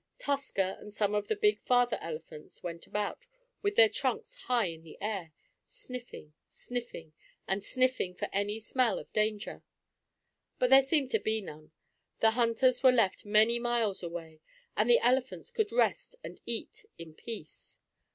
Tusker and some of the big father elephants went about, with their trunks high in the air, sniffing, sniffing and sniffing for any smell of danger. But there seemed to be none. The hunters were left many miles away, and the elephants could rest and eat in peace.